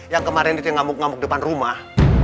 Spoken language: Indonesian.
yang kemarin itu yang ngamuk ngamuk depan rumah